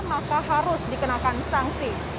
maka harus dikenakan sanksi